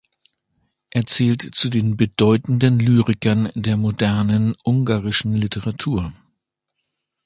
Er zählt zu den bedeutenden Lyrikern der modernen ungarischen Literatur.